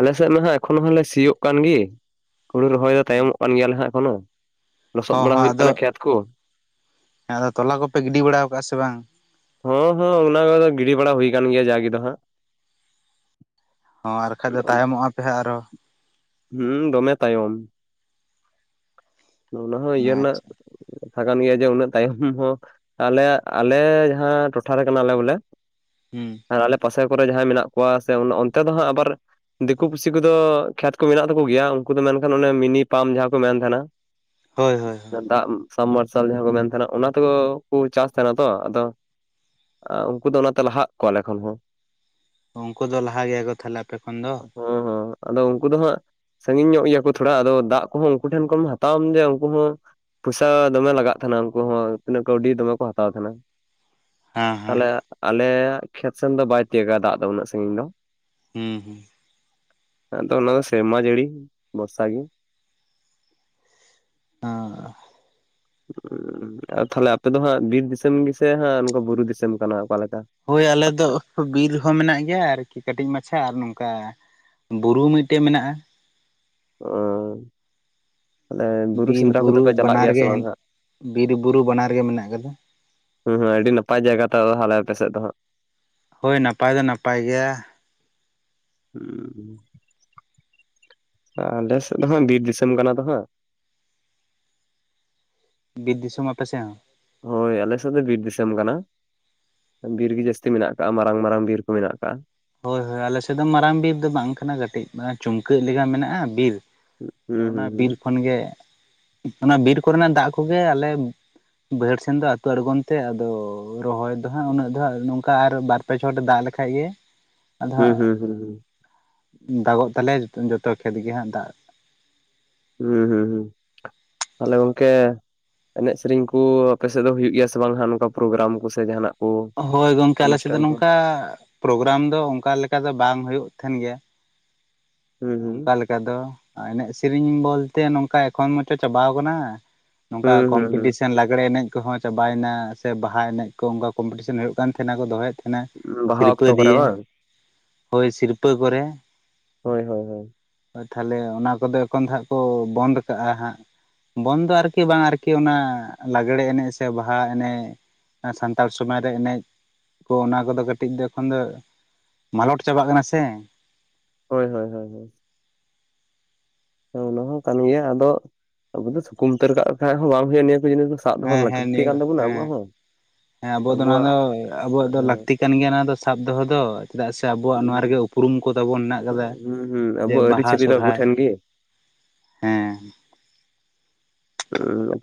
ᱟᱞᱮᱥᱮᱫ ᱢᱟ ᱦᱟᱸᱜ ᱮᱠᱷᱚᱱ ᱦᱚᱸᱞᱮ ᱥᱤᱭᱳᱜ ᱠᱟᱱ ᱜᱮ ᱦᱩᱲᱩ ᱨᱚᱦᱚᱭ ᱦᱚᱸ ᱛᱟᱭᱚᱢᱚᱜ ᱠᱟᱱ ᱜᱮᱭᱟᱞᱮ ᱦᱟᱸᱜ ᱮᱠᱷᱚᱱᱚ ᱞᱚᱥᱚᱫ ᱵᱟᱲᱟ ᱦᱩᱭᱩᱜ ᱠᱟᱱᱟ ᱠᱷᱮᱛ ᱠᱚ ᱾ ᱦᱮᱸ ᱟᱫᱚ ᱛᱚᱞᱟ ᱠᱚᱯᱮ ᱜᱤᱰᱤ ᱵᱟᱲᱟ ᱟᱠᱟᱟᱜᱼᱟ ᱥᱮ ᱵᱟᱝ? ᱦᱮᱸ ᱦᱮᱸ ᱚᱱᱟ ᱠᱚᱫᱚ ᱜᱤᱰᱤ ᱵᱟᱲᱟ ᱦᱩᱭ ᱠᱟᱱ ᱜᱮᱭᱟ ᱡᱟ ᱜᱮ ᱫᱚ ᱦᱟᱸᱜ ᱾ ᱦᱚᱸ ᱟᱨ ᱵᱟᱠᱷᱟᱡ ᱫᱚ ᱛᱟᱭᱚᱢᱚᱜᱼᱟ ᱯᱮ ᱦᱟᱸᱜ ᱟᱨᱚ ᱾ ᱦᱩᱸ ᱫᱚᱢᱮ ᱛᱟᱭᱚᱢ, ᱚᱱᱟ ᱦᱚᱸ ᱤᱭᱟᱹ ᱨᱮᱱᱟᱜ ᱟᱪᱪᱷᱟ ᱠᱟᱛᱷᱟ ᱠᱟᱱ ᱜᱮᱭᱟ ᱡᱮ ᱩᱱᱟᱹᱜ ᱛᱟᱭᱚᱢ ᱦᱚᱸ ᱟᱞᱮᱭᱟᱜ ᱟᱞᱮ ᱡᱟᱦᱟᱸ ᱴᱚᱴᱷᱟᱨᱮ ᱠᱟᱱᱟᱞᱮ ᱵᱚᱞᱮ ᱦᱩᱸ ᱟᱨ ᱟᱞᱮ ᱯᱟᱥᱮ ᱠᱚᱨᱮ ᱡᱟᱦᱟᱸᱭ ᱢᱮᱱᱟᱜ ᱠᱚᱣᱟ ᱥᱮ ᱚᱱᱛᱮ ᱫᱚ ᱦᱟᱸᱜ ᱟᱵᱟᱨ ᱫᱤᱠᱩ ᱯᱩᱥᱤ ᱠᱚᱫᱚ ᱠᱷᱮᱛ ᱠᱚ ᱢᱮᱱᱟᱜ ᱛᱟᱠᱚ ᱜᱮᱭᱟ ᱩᱱᱠᱩ ᱫᱚ ᱢᱮᱱᱠᱷᱟᱱ ᱚᱱᱮ ᱢᱤᱱᱤ ᱯᱟᱢᱯ ᱡᱟᱦᱟᱸ ᱠᱚ ᱢᱮᱱ ᱛᱟᱦᱮᱱᱟ, [unintelligible] ᱦᱳᱭ ᱦᱳᱭ ᱾ ᱫᱟᱜ ᱥᱟᱞ ᱢᱟᱨᱥᱟᱞ ᱡᱟᱦᱟᱸ ᱠᱚ ᱢᱮᱱ ᱛᱟᱦᱮᱱᱟ ᱚᱱᱟ ᱛᱮ ᱠᱚ ᱪᱟᱥ ᱛᱟᱦᱮᱱᱟ ᱛᱚ ᱟᱫᱚ ᱩᱱᱠᱩ ᱫᱚ ᱚᱱᱟᱛᱮ ᱞᱟᱦᱟ ᱟᱠᱚ ᱟᱞᱮ ᱠᱷᱚᱱ ᱦᱚᱸ ᱾ ᱩᱱᱠᱩ ᱫᱚ ᱞᱟᱦᱟ ᱜᱮᱭᱟ ᱠᱚ ᱛᱟᱦᱚᱞᱮ ᱟᱯᱮ ᱠᱷᱚᱱ ᱫᱚ, ᱦᱮᱸ ᱦᱮᱸ ᱟᱫᱚ ᱩᱱᱠᱩ ᱫᱚ ᱦᱟᱸᱜ ᱥᱟᱺᱜᱤᱧ ᱧᱚᱜ ᱜᱮᱭᱟ ᱠᱚ ᱛᱷᱚᱲᱟ, ᱟᱫᱚ ᱫᱟᱜ ᱠᱚᱦᱚᱸ ᱩᱱᱠᱩ ᱴᱷᱮᱱ ᱠᱷᱚᱱ ᱦᱟᱛᱣᱟᱢ ᱡᱮ ᱩᱱᱠᱩ ᱦᱚᱸ ᱯᱩᱭᱥᱟ ᱫᱚᱢᱮ ᱞᱟᱜᱟᱜ ᱛᱟᱦᱮᱱᱟ ᱩᱱᱠᱩ ᱦᱚᱸ ᱛᱤᱱᱟᱹᱜ ᱠᱟᱹᱣᱰᱤ ᱫᱚᱢᱮ ᱠᱚ ᱦᱟᱛᱟᱣ ᱛᱟᱦᱮᱸᱱᱟ᱾ ᱦᱮᱸ ᱦᱮᱸ ᱛᱟᱦᱞᱮ ᱟᱞᱮᱭᱟᱜ ᱠᱷᱮᱛ ᱥᱮᱱ ᱫᱚ ᱵᱟᱭ ᱛᱤᱭᱳᱜᱟ ᱫᱟᱜ ᱫᱚ ᱩᱱᱟᱹᱜ ᱥᱟᱺᱜᱤᱧ ᱫᱚ᱾ ᱦᱩᱸ ᱦᱩᱸ ᱟᱫᱚ ᱚᱱᱟ ᱫᱚ ᱥᱮᱨᱢᱟ ᱡᱟᱹᱲᱤ ᱵᱚᱨᱥᱟ ᱜᱮ᱾ ᱦᱮᱸ ᱟᱨ ᱛᱟᱦᱞᱮ ᱟᱯᱮ ᱫᱚ ᱦᱟᱸᱜ ᱵᱤᱨ ᱫᱤᱥᱚᱢ ᱜᱮ ᱥᱮ ᱦᱟᱸᱜ ᱱᱚᱝᱠᱟ ᱵᱩᱨᱩ ᱫᱤᱥᱚᱢ ᱠᱟᱱᱟ ᱚᱠᱟᱞᱮᱠᱟ ᱦᱳᱭ ᱟᱞᱮ ᱟᱯᱮ ᱫᱚ ᱥᱮᱫ ᱵᱤᱨ ᱦᱚᱸ ᱢᱮᱱᱟᱜ ᱜᱮᱭᱟ ᱟᱹᱨᱠᱤ ᱠᱟᱹᱴᱤᱡ ᱢᱟᱪᱷᱟ, ᱟᱨ ᱱᱚᱝᱠᱟ ᱵᱩᱨᱩ ᱢᱤᱫᱴᱮᱡ ᱢᱮᱱᱟᱜᱼᱟ᱾ ᱚᱻ ᱵᱤᱨ ᱵᱩᱨᱩ ᱵᱟᱱᱟᱨ ᱜᱮ ᱵᱟᱝ ᱦᱟᱸᱜ [inaudible] ᱵᱤᱨ ᱵᱩᱨᱩ ᱵᱟᱱᱟᱨ ᱜᱮ ᱢᱮᱱᱟᱜ ᱟᱠᱟᱫᱟ᱾ ᱦᱩᱸ ᱦᱩᱸ ᱟᱹᱰᱤ ᱱᱟᱯᱟᱭ ᱡᱟᱭᱜᱟ ᱛᱚ ᱛᱟᱦᱞᱮ ᱟᱯᱮ ᱥᱮᱫ ᱫᱚ ᱦᱟᱸᱜ᱾ ᱦᱳᱭ ᱱᱟᱯᱟᱭ ᱫᱚ ᱱᱟᱯᱟᱭ ᱜᱮᱭᱟ᱾ ᱦᱩᱸ ᱟᱞᱮ ᱥᱮᱫ ᱫᱚ ᱦᱟᱜ ᱵᱤᱨ ᱫᱤᱥᱚᱢ ᱠᱟᱱᱟ ᱫᱚ ᱦᱟᱸᱜ᱾ ᱵᱤᱨ ᱫᱤᱥᱚᱢ ᱟᱯᱮ ᱥᱮ ᱦᱚᱸ? ᱦᱳᱭ ᱟᱞᱮᱥᱮᱫ ᱫᱚ ᱵᱤᱨ ᱫᱤᱥᱚᱢ ᱠᱟᱱᱟ᱾ ᱵᱤᱨ ᱜᱤ ᱡᱟᱹᱥᱛᱤ ᱢᱮᱱᱟᱜ ᱟᱠᱟᱟᱜᱼᱟ, ᱢᱟᱨᱟᱝ ᱢᱟᱨᱟᱝ ᱵᱤᱨ ᱠᱩ ᱢᱮᱱᱟᱜ ᱟᱠᱟᱟᱜ᱾ ᱦᱳᱭ ᱦᱳᱭ ᱟᱞᱮ ᱥᱮᱫ ᱫᱚ ᱢᱟᱨᱟᱝ ᱵᱤᱨ ᱫᱚ ᱵᱟᱝ ᱠᱟᱱᱟ, ᱠᱟᱹᱴᱤᱡ ᱪᱩᱢᱠᱟᱹᱜ ᱞᱮᱠᱟ ᱢᱮᱱᱟᱜᱼᱟ ᱵᱤᱨ, ᱟᱫᱚ ᱦᱩᱸ ᱚᱱᱟ ᱦᱩᱸ ᱵᱤᱨ ᱠᱷᱚᱱ ᱜᱮ, ᱚᱱᱟ ᱵᱤᱨ ᱠᱚᱨᱮᱱᱟᱜ ᱫᱟᱜ ᱠᱚᱜᱮ ᱟᱞᱮᱼᱼ ᱵᱟᱹᱭᱦᱟᱹᱲ ᱥᱮᱱ ᱫᱚ ᱟᱹᱛᱩ ᱟᱬᱜᱚᱢ ᱛᱮ ᱟᱫᱚ ᱨᱚᱦᱚᱭ ᱫᱚ ᱦᱟᱸᱜ ᱩᱱᱟᱹᱜ ᱫᱚ ᱱᱚᱝᱠᱟ ᱟᱨ ᱵᱟᱨᱼᱼ ᱟᱯᱮ ᱪᱷᱚᱴ ᱮ ᱫᱟᱜ ᱞᱮᱠᱷᱟᱡ ᱜᱮ ᱟᱫᱚ ᱦᱩᱸ ᱦᱩᱸ ᱦᱩᱸ ᱦᱩᱸ ᱦᱩᱸ ᱦᱟᱸᱜ ᱫᱟᱜᱚᱜ ᱛᱟᱞᱮᱭᱟ ᱡᱚᱛᱚ ᱠᱷᱮᱛ ᱜᱮ ᱦᱟᱸᱜ ᱫᱟᱜᱼᱼ ᱦᱩᱸ ᱦᱩᱸ ᱦᱩᱸ ᱛᱟᱦᱞᱮ ᱜᱚᱝᱠᱮᱼᱼ ᱮᱱᱮᱡ ᱥᱮᱨᱤᱧ ᱠᱩ ᱟᱯᱮᱥᱮᱫ ᱫᱚ ᱦᱩᱭᱩᱜ ᱜᱮᱭᱟ ᱥᱮ ᱵᱟᱝ ᱦᱟᱜ ᱱᱚᱝᱠᱟ ᱯᱨᱳᱜᱨᱟᱢ ᱠᱚ ᱥᱮ ᱡᱟᱦᱟᱱᱟᱜ᱾ ᱠᱚ? ᱦᱳᱭ ᱜᱚᱝᱠᱮ ᱟᱞᱮᱥᱮᱫ ᱫᱚ ᱚᱱᱩᱥᱴᱷᱟᱱ ᱠᱚ ᱱᱚᱝᱠᱟ ᱯᱨᱳᱜᱨᱟᱢ ᱫᱚ ᱚᱱᱠᱟ ᱞᱮᱠᱟ ᱫᱚ ᱵᱟᱝ ᱦᱩᱭᱩᱜ ᱛᱟᱦᱮᱱ ᱜᱮᱭᱟ᱾ ᱦᱩᱸ ᱦᱩᱸ ᱚᱱᱠᱟ ᱞᱮᱠᱟ ᱫᱚ ᱮᱱᱮᱡ ᱥᱮᱨᱮᱤᱧ ᱵᱚᱞᱛᱮ ᱱᱚᱝᱠᱟ ᱮᱠᱷᱚᱱ ᱢᱟᱪᱚ ᱪᱟᱵᱟᱣ ᱠᱟᱱᱟ᱾ ᱱᱚᱝᱼᱠᱟ ᱦᱩᱸ ᱦᱩᱸ ᱠᱚᱢᱯᱤᱴᱤ ᱦᱩᱸ ᱥᱮᱱ ᱞᱟᱜᱽᱲᱮ ᱮᱱᱮᱡ, ᱠᱚᱦᱚᱸ ᱪᱟᱵᱟᱭᱮᱱᱟ ᱥᱮ ᱵᱟᱦᱟ ᱮᱱᱮᱡ ᱠᱚ ᱚᱱᱠᱟ ᱠᱚᱢᱯᱤᱴᱤᱥᱮᱱ ᱦᱩᱭᱩᱜ ᱠᱟᱱ ᱛᱟᱦᱮᱱᱟ ᱠᱚ ᱫᱚᱦᱚᱭᱮᱫᱼᱼ ᱛᱟᱦᱮ ᱵᱟᱦᱟ ᱥᱤᱨᱯᱟᱹ ᱚᱠᱛᱚ ᱠᱚᱨᱮ ᱫᱤᱭᱮ ᱵᱟᱝ? ᱦᱚᱭ ᱥᱤᱨᱯᱟᱹ ᱠᱚᱨᱮᱼᱼ ᱦᱳᱭ ᱦᱳᱭ ᱦᱳᱭ᱾ ᱛᱟᱦᱞᱮ ᱚᱱᱟ ᱠᱚᱫᱚ ᱮᱠᱷᱚᱱ ᱫᱚ ᱦᱟᱸᱜ ᱠᱩ ᱵᱚᱱᱫ ᱠᱟᱜᱼᱟ ᱦᱟᱸᱜᱼᱼ ᱵᱚᱱᱰ ᱫᱚ ᱟᱨᱠᱤ ᱵᱟᱝ ᱟᱨᱠᱤ ᱚᱱᱟ ᱞᱟᱜᱽᱲᱮ ᱮᱱᱮᱡ ᱥᱮ ᱵᱟᱦᱟ ᱮᱱᱮᱡ, ᱥᱟᱱᱛᱟᱲ ᱥᱚᱢᱟᱡᱽ ᱨᱮ ᱮᱱᱮᱡ ᱠᱩ ᱚᱱᱟ ᱠᱚᱫᱚ ᱠᱟᱹᱴᱤᱡ ᱫᱚ ᱮᱠᱷᱚᱱ ᱫᱚ, ᱢᱟᱞᱚᱴ ᱪᱟᱵᱟᱜ ᱠᱟᱱᱟ ᱥᱮ᱾ ᱦᱳᱭ ᱦᱳᱭ ᱦᱳᱭᱳᱭ᱾ ᱚᱱᱟ ᱦᱚᱸ ᱠᱟᱱ ᱜᱮᱭᱟ ᱟᱫᱚ ᱟᱵᱩ ᱫᱚ ᱥᱩᱠᱩᱢ ᱩᱛᱟᱹᱨ ᱠᱟᱜ ᱠᱷᱟᱱᱡ ᱦᱚᱸ ᱵᱟᱝ ᱦᱩᱭᱩᱜᱼᱟ ᱱᱤᱭᱟᱹ ᱠᱚ ᱡᱤᱱᱤᱥᱼᱼ ᱦᱮᱸ ᱦᱮᱸ ᱱᱤᱭᱟᱹ ᱦᱮᱸ ᱦᱮᱸ ᱟᱵᱩ ᱫᱚ ᱚᱱᱟ ᱟᱵᱚᱣᱟᱜ ᱫᱚ ᱟᱵᱚᱣᱟᱜ ᱫᱚ ᱦᱮᱸ ᱞᱟᱠᱛᱤᱼᱼ ᱠᱟᱱ ᱜᱤᱭᱟ ᱚᱱᱟ ᱫᱚ ᱥᱟᱵ ᱫᱚᱦᱚ ᱫᱚ᱾ ᱪᱮᱫᱟᱜ ᱥᱮ ᱟᱵᱩᱣᱟᱜ ᱱᱚᱣᱟ ᱨᱮ ᱜᱮ ᱩᱯᱨᱩᱢ ᱠᱚ ᱛᱟᱵᱚᱱ ᱢᱮᱱᱟᱜ ᱠᱟᱫᱟ ᱦᱩᱸ ᱦᱩᱸ ᱡᱮ ᱟᱵᱚᱣᱟᱜ ᱵᱟᱦᱟ ᱟᱹᱨᱤᱪᱟᱹᱞᱤ ᱫᱚ ᱟᱵᱚ ᱥᱚᱨᱦᱟᱭ, ᱴᱷᱮᱱ ᱜᱮ ᱦᱮᱸᱻ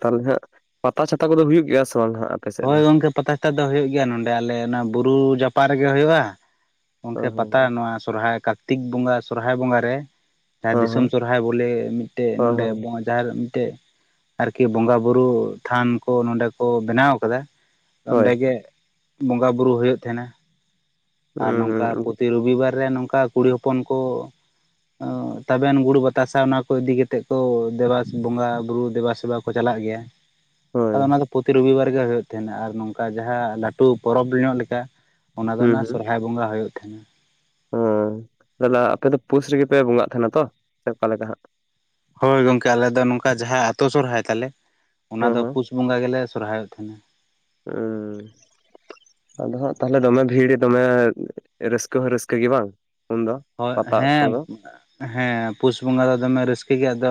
ᱛᱟᱦᱚᱞᱮ ᱦᱟᱜ ᱯᱟᱛᱟ ᱪᱷᱟᱛᱟ ᱠᱩᱫᱚ ᱦᱩᱭᱩᱜ ᱜᱮᱭᱟ ᱥᱮ ᱵᱟᱝ ᱦᱟᱜ? ᱦᱳᱭ ᱜᱚᱝᱠᱮ ᱯᱟᱛᱟᱥᱟᱴᱟ ᱫᱚ ᱦᱩᱭᱩᱜ ᱜᱮᱭᱟ ᱱᱚᱸᱰᱮ ᱟᱞᱮ ᱚᱱᱟ ᱵᱩᱨᱩ ᱡᱟᱯᱟᱜ ᱨᱮᱜᱮ ᱦᱩᱭᱩᱜᱼᱟ᱾ ᱜᱚᱢᱠᱮ ᱦᱮᱸ ᱦᱮᱸ ᱯᱟᱛᱟ ᱦᱮᱸ ᱱᱚᱣᱟ ᱥᱚᱨᱦᱟᱭ ᱠᱟᱨᱛᱤᱠ ᱵᱚᱸᱜᱟ ᱥᱚᱨᱦᱟᱭ ᱵᱚᱸᱜᱟ ᱨᱮᱼᱼ ᱡᱟᱦᱟᱸ ᱦᱮᱸ ᱫᱤᱥᱚᱢ ᱥᱚᱨᱦᱟᱭ ᱵᱚᱞᱮ ᱢᱤᱫᱴᱮᱡ ᱦᱮᱸ ᱱᱚᱱᱮᱼᱼ ᱦᱮᱸ ᱡᱟᱨ ᱢᱤᱫᱴᱮᱡ ᱟᱨᱠᱤ ᱵᱚᱸᱜᱟ ᱵᱩᱨᱩ ᱛᱷᱟᱱ ᱠᱚ ᱱᱚᱸᱰᱮ ᱠᱚ ᱵᱮᱱᱟᱣ ᱠᱟᱫᱟ᱾ ᱦᱳᱭ ᱚᱸᱰᱮ ᱜᱮ ᱵᱚᱸᱜᱟ ᱵᱩᱨᱩ ᱦᱩᱭᱩᱜ ᱛᱟᱦᱮᱱᱟ᱾ ᱟᱨ ᱦᱩᱸ ᱱᱚᱝᱠᱟ ᱦᱩᱸ ᱯᱨᱚᱛᱤ ᱨᱚᱵᱤᱵᱟᱨ ᱨᱮ ᱱᱚᱝᱠᱟ ᱠᱩᱲᱤ ᱦᱚᱯᱚᱱ ᱠᱩᱼᱼ ᱛᱟᱵᱮᱱ ᱜᱩᱲ ᱵᱟᱛᱟᱥᱟ ᱚᱱᱟ ᱠᱚ ᱤᱫᱤ ᱠᱟᱛᱮᱫ ᱠᱩ ᱫᱮᱵᱟ ᱵᱚᱸᱜᱟ ᱵᱨ ᱫᱮᱵᱟ ᱥᱮᱵᱟ ᱠᱚᱼᱼ ᱠᱚ ᱪᱟᱞᱟᱜ ᱜᱮᱭᱟ᱾ ᱦᱳᱭ ᱟᱫᱚ ᱚᱱᱟ ᱫᱚ ᱯᱚᱛᱤ ᱨᱚᱵᱤᱵᱟᱨ ᱜᱮ ᱦᱳᱭᱳᱜ ᱛᱟᱦᱮᱱᱟ ᱟᱨ ᱱᱚᱝᱠᱟ ᱡᱟᱦᱟᱸ ᱞᱟᱹᱴᱩ ᱯᱚᱨᱚᱵᱽ ᱧᱚᱜ ᱞᱮᱠᱟ᱾ ᱚᱱᱟ ᱫᱚ ᱚᱱᱟ ᱥᱚᱦᱨᱟᱭ ᱵᱚᱸᱜᱟ ᱦᱳᱭᱳᱜ ᱛᱟᱦᱮᱸᱱᱟ᱾ ᱦᱳᱭ ᱫᱟᱫᱟ ᱟᱯᱮ ᱫᱚ ᱯᱩᱥ ᱨᱮᱜᱮ ᱯᱮ ᱵᱚᱸᱜᱟᱜ ᱛᱟᱦᱮᱱᱟ ᱛᱚ ᱥᱮ ᱚᱠᱟ ᱞᱮᱠᱟ ᱦᱟᱸᱜ? ᱦᱳᱭ ᱜᱚᱝᱠᱮ ᱟᱞᱮ ᱫᱚ ᱱᱚᱝᱠᱟ ᱡᱟᱦᱟᱸ ᱟᱛᱳ ᱥᱚᱦᱨᱟᱭ ᱛᱟᱞᱮ ᱚᱱᱟ ᱦᱮᱸ ᱫᱚ ᱦᱮᱸ ᱯᱩᱥ ᱵᱚᱸᱜᱟ ᱜᱮᱞᱮ ᱥᱚᱦᱨᱟᱭ ᱚᱜ ᱛᱟᱦᱮᱸᱱᱟ᱾ ᱦᱩᱸᱻ ᱟᱫᱚ ᱦᱟᱸᱜ ᱛᱟᱦᱞᱮ ᱫᱚᱢᱮ ᱵᱷᱤᱲ ᱫᱚᱢᱮ ᱨᱟᱹᱥᱠᱟᱹ ᱦᱚᱸ ᱨᱟᱹᱥᱠᱟᱹ ᱜᱮ ᱵᱟᱝ? ᱩᱱᱫᱚ ᱦᱳᱭ ᱯᱟᱛᱟ ᱚᱠᱛᱚ ᱦᱮᱸ ᱫᱚ ᱦᱮᱸ ᱯᱩᱥ ᱵᱚᱸᱜᱟ ᱫᱚ ᱫᱚᱢᱮ ᱨᱟᱹᱥᱠᱟᱹ ᱜᱮ ᱟᱫᱚᱼᱼ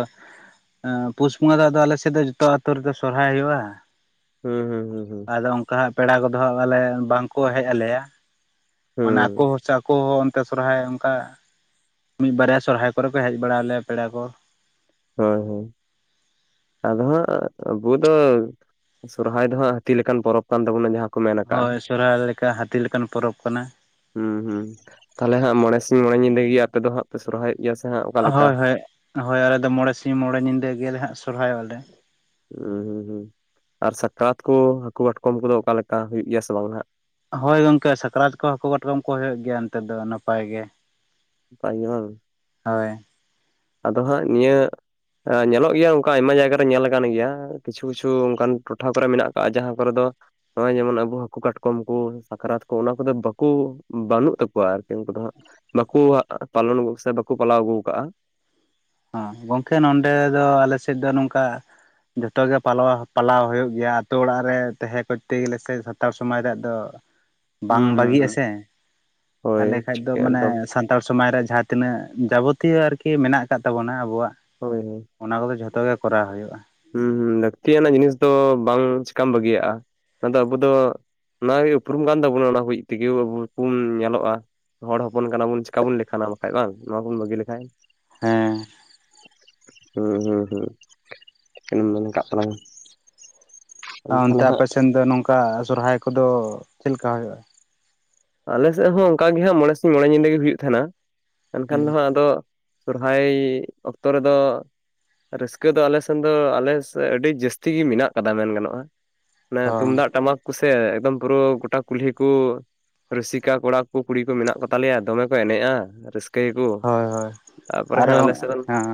ᱮᱸ ᱯᱩᱥ ᱵᱚᱸᱜᱟ ᱫᱚ ᱟᱫᱚ ᱟᱞᱮᱥᱮᱫ ᱫᱚ ᱡᱚᱛᱚ ᱟᱛᱳ ᱨᱮᱫᱚ ᱥᱚᱦᱨᱟᱭ ᱦᱩᱭᱩᱜᱼᱟ᱾ ᱦᱩᱸ ᱦᱩᱸ ᱦᱩᱸ ᱦᱩᱸ ᱟᱫᱚ ᱚᱱᱠᱟ ᱦᱟᱸᱜ ᱯᱮᱲᱟ ᱠᱚᱫᱚ ᱦᱟᱸᱜ ᱟᱞᱮ ᱵᱟᱝᱠᱚ ᱦᱮᱡ ᱟᱞᱮᱭᱟ ᱢᱟᱱᱮ ᱦᱩᱸ ᱟᱠᱚ ᱥᱮ ᱟᱠᱚ ᱦᱚᱸᱼᱼ ᱛᱮ ᱥᱚᱦᱨᱟᱭ ᱚᱱᱠᱟ, ᱢᱤᱫ ᱵᱟᱨᱭᱟ ᱥᱚᱦᱨᱟᱭ ᱠᱚᱨᱮ ᱠᱚ ᱦᱮᱡ ᱵᱟᱲᱟ ᱟᱞᱮᱭᱟ ᱯᱮᱲᱟ ᱠᱚ᱾ ᱦᱳᱭ ᱦᱳᱭ᱾ ᱟᱫᱚ ᱦᱟᱸᱜ ᱟᱵᱩ ᱫᱚ ᱥᱚᱦᱨᱟᱭ ᱫᱚ ᱦᱟᱸᱜ ᱦᱟᱹᱛᱤ ᱞᱮᱠᱟᱱ ᱯᱚᱨᱚᱵᱽ, ᱠᱟᱱ ᱛᱟᱵᱚᱱᱟ ᱡᱟᱦᱟᱸ ᱠᱚ ᱢᱮᱱ, ᱟᱠᱟᱜᱼᱟ ᱦᱳᱭ ᱥᱚᱦᱨᱟᱭ ᱞᱮᱠᱟ ᱦᱟᱹᱛᱤ ᱞᱮᱠᱟᱱ ᱯᱚᱨᱚᱵᱽ ᱠᱟᱱᱟ᱾ ᱦᱩᱸ ᱦᱩᱸ, ᱛᱟᱦᱚᱞᱮ ᱦᱟᱸᱜ ᱢᱚᱬᱮ ᱥᱤᱧ ᱢᱚᱬ ᱧᱤᱫᱟᱹ ᱜᱤ ᱟᱯᱮ ᱫᱚ ᱦᱟᱸᱜ ᱯᱮ ᱥᱚᱦᱨᱟᱭᱚᱜ, ᱦᱳᱭ ᱦᱳᱭ ᱦᱳᱭ ᱟᱞᱮ ᱫᱚ ᱢᱚᱬᱮ ᱥᱤᱧ ᱢᱚᱬᱮ ᱧᱤᱫᱟᱹ ᱜᱮᱞᱮ ᱦᱟᱸᱜ ᱥᱚᱦᱨᱟᱭᱚᱜ ᱟᱞᱮ᱾ ᱦᱩᱸ ᱦᱩᱸ ᱦᱩᱸ ᱟᱨ ᱥᱟᱠᱨᱟᱛ ᱠᱩ ᱦᱟᱹᱠᱩ ᱠᱟᱴᱠᱚᱢ ᱠᱚᱫᱚ ᱚᱠᱟᱞᱮᱠᱟ ᱦᱩᱭᱩᱜ ᱜᱮᱭᱟ ᱥᱮ ᱵᱟᱝ ᱦᱟᱸᱜ? ᱦᱳᱭ ᱜᱚᱝᱠᱮ ᱥᱟᱠᱨᱟᱛ ᱠᱚ ᱦᱟᱹᱠᱩ ᱠᱟᱴᱠᱚᱢ ᱠᱚ ᱦᱳᱭᱳᱜ ᱜᱮᱭᱟ ᱚᱱᱛᱮ ᱫᱚ ᱱᱟᱯᱟᱭ ᱜᱮ᱾ ᱱᱟᱯᱟᱭ ᱜᱮ ᱵᱟᱝ᱾ ᱦᱳᱭ᱾ ᱟᱫᱚ ᱦᱟᱸᱜ ᱱᱤᱭᱟᱹ, ᱧᱮᱞᱚᱜ ᱜᱮᱭᱟ ᱚᱱᱠᱟ ᱟᱭᱢᱟ ᱡᱟᱭᱜᱟ ᱨᱮ ᱧᱮᱞ ᱟᱠᱟᱱ ᱜᱮᱭᱟ ᱠᱤᱪᱷᱩ ᱠᱤᱪᱷᱩ ᱚᱱᱠᱟᱱ ᱴᱚᱴᱷᱟ ᱠᱚᱨᱮ ᱢᱮᱱᱟᱜ ᱟᱠᱟᱜ-ᱟ ᱡᱟᱦᱟᱸ ᱠᱚᱨᱮ ᱫᱚ, ᱱᱚᱜᱼᱚᱭ ᱡᱮᱢᱚᱱ ᱟᱵᱩ ᱦᱟᱹᱠᱩ ᱠᱟᱴᱠᱚᱢ ᱠᱩ ᱥᱟᱠᱨᱟᱛ ᱠᱚ ᱚᱱᱟ ᱠᱚᱫᱚ ᱵᱟᱠᱩ ᱵᱟᱹᱱᱩᱜ ᱛᱟᱠᱚᱣᱟ ᱟᱨᱠᱤ ᱩᱱᱠᱩ ᱫᱚ ᱦᱟᱸᱜ᱾ ᱵᱟᱠᱩ ᱦᱟᱸᱜ ᱯᱟᱞᱚᱱ ᱥᱮ ᱵᱟᱠᱚ ᱯᱟᱞᱟᱣ ᱟᱹᱜᱩ ᱠᱟᱜᱼᱟ᱾ ᱦᱚᱸ ᱜᱚᱝᱠᱮ ᱱᱚᱰᱮ ᱫᱚ ᱟᱞᱮ ᱥᱮᱫ ᱫᱚ ᱱᱚᱝᱠᱟ, ᱡᱷᱚᱛᱚ ᱜᱮ ᱯᱟᱞᱣᱟ ᱯᱟᱞᱟᱣ ᱦᱳᱭᱳᱜ ᱜᱮᱭᱟ᱾ ᱛᱳ ᱚᱲᱟᱜ ᱨᱮ ᱛᱮᱦᱮ ᱠᱚᱨᱛᱮ ᱜᱮᱞᱮ ᱥᱮ ᱥᱟᱛᱟᱲ ᱥᱚᱢᱟᱡᱽ ᱨᱮᱭᱟᱜ ᱫᱚ, ᱵᱟᱝ ᱦᱩᱸ ᱦᱩᱸ ᱵᱟᱹᱜᱤᱜ-ᱟ ᱦᱩᱸ ᱥᱮ ᱦᱳᱭ ᱛᱟᱦᱞᱮ ᱠᱷᱟᱡ ᱴᱷᱤᱠ ᱫᱚ ᱢᱟᱱᱮ ᱮᱠᱫᱚᱢ ᱥᱟᱱ ᱛᱟᱲ ᱥᱚᱢᱟᱡᱽ ᱨᱮ ᱡᱟᱦᱟᱸ ᱛᱤᱱᱟᱹᱜ ᱡᱟᱵᱚᱛᱤᱭᱚ ᱟᱨᱠᱤ ᱢᱮᱱᱟᱜ ᱟᱠᱟᱫ ᱛᱟᱵᱚᱱᱟ ᱟᱵᱚᱣᱟᱜ᱾ ᱦᱳᱭ ᱦᱳᱭ ᱚᱱᱟ ᱠᱚᱜᱮ ᱡᱷᱚᱛᱚ ᱜᱮ ᱠᱚᱨᱟᱣ ᱦᱩᱭᱩᱜᱼᱟ᱾ ᱦᱩᱸ ᱦᱩᱸ ᱞᱟᱹᱠᱛᱤᱭᱟᱱᱟᱜ ᱡᱤᱱᱤᱥ ᱫᱚ ᱵᱟᱝ ᱪᱮᱠᱟᱢ ᱵᱟᱹᱜᱤᱭᱟᱜᱼᱟ ᱚᱱᱟᱫᱚ ᱟᱵᱚ ᱫᱚ, ᱚᱱᱟ ᱜᱤ ᱩᱯᱨᱩᱢ ᱠᱟᱱ ᱛᱟᱵᱚᱱᱟ ᱚᱱᱟ ᱦᱩᱡ ᱛᱤᱜᱤ ᱟᱵᱚ [unintelligible] ᱵᱚᱱ ᱧᱮᱞᱚᱜᱼᱟ᱾ ᱦᱚᱲ ᱦᱚᱯᱚᱱ ᱠᱟᱱᱟ ᱵᱚᱱ ᱪᱮᱠᱟ ᱵᱚᱱ ᱞᱮᱠᱷᱟᱱᱟ ᱵᱟᱠᱷᱟᱡ ᱵᱟᱝ ᱱᱚᱣᱟ ᱵᱚᱱ ᱵᱟᱹᱜᱤ ᱞᱮᱠᱷᱟᱡ᱾ ᱦᱮᱸ, ᱦᱩᱸ ᱦᱩᱸ ᱦᱩᱸ᱾ ᱟᱢᱮᱢ ᱢᱮᱱ ᱠᱟᱜ ᱛᱟᱞᱟᱝ ᱛᱟᱦᱚᱞᱮ ᱚᱱᱛᱮ ᱦᱟᱸᱜ ᱟᱯᱮᱥᱮᱱ ᱫᱚ ᱱᱚᱝᱠᱟ ᱥᱚᱦᱨᱟᱭ ᱠᱚᱫᱚ ᱪᱮᱫ ᱞᱮᱠᱟ ᱦᱳᱭᱳᱜᱼᱟ? ᱟᱞᱮᱥᱮᱫ ᱦᱚᱸ ᱚᱱᱠᱟ ᱜᱮ ᱦᱟᱸᱜ ᱢᱚᱬᱮ ᱥᱤᱧ ᱢᱚᱬᱮ ᱧᱤᱫᱟᱹ ᱜᱮ ᱦᱩᱭᱩᱜ ᱛᱟᱦᱮᱸᱱᱟ ᱢᱮᱱᱠᱷᱟᱱ ᱫᱚ ᱦᱟᱸᱜ ᱟᱫᱚ, ᱥᱚᱨᱦᱟᱭ ᱚᱠᱛᱚ ᱨᱮᱫᱚ, ᱨᱟᱹᱥᱠᱟᱹ ᱫᱚ ᱟᱞᱮ ᱥᱮᱱ ᱫᱚ ᱟᱞᱮ ᱟᱹᱰᱤ ᱡᱟᱹᱥᱛᱤ ᱜᱤ ᱢᱮᱱᱟᱜ ᱠᱟᱫᱟ ᱢᱮᱱ ᱜᱟᱱᱚᱜᱼᱟ᱾ ᱢᱟᱱᱮ ᱦᱚᱸ ᱛᱩᱢᱫᱟᱜ ᱴᱟᱢᱟᱠ ᱠᱩᱥᱮ ᱮᱠᱫᱚᱢ ᱯᱩᱨᱟᱹ ᱜᱚᱴᱟ ᱠᱩᱞᱦᱤ ᱠᱚ᱾ ᱨᱩᱥᱤᱠᱟ ᱠᱚᱲᱟ ᱠᱚ ᱠᱩᱲᱤ ᱠᱚ ᱢᱮᱱᱟᱜ ᱠᱚᱛᱟᱞᱮᱭᱟ ᱫᱚᱢᱮ ᱠᱚ ᱮᱱᱮᱡᱼᱟ ᱨᱟᱹᱥᱠᱟᱹ, ᱦᱳᱭ ᱦᱳᱭ ᱟᱨᱚ ᱥᱮᱫ ᱨᱮᱱ ᱦᱮᱸ᱾